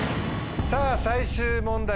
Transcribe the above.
さぁ最終問題